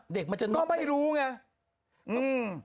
เด็กลงไม่รู้ไง